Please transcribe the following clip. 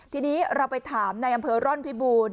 ทีนี้เราไปถามในอำเภอร่อนพิบูรณ์